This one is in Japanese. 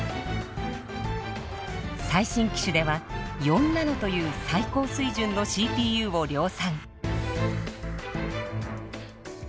最新機種では４ナノという最高水準のＣＰＵを量産。